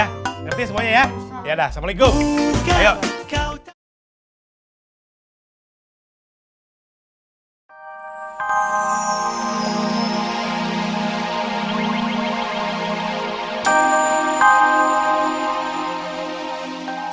eh kata semuaku jangan tahu ustadz